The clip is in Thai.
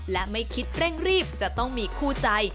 และไม่คิดเร่งรีบจะต้องมีคู่ใจ